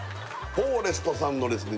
フォーレストさんのですね